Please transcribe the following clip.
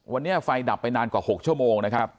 วันนี้ไฟดับไปนานกว่า๖ชั่วโมงนะครับ